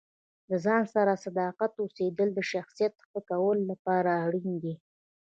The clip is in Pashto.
د ځان سره صادق اوسیدل د شخصیت ښه کولو لپاره اړین دي.